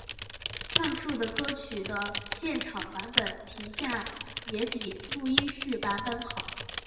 上述的歌曲的现场版本评价也比录音室版本好。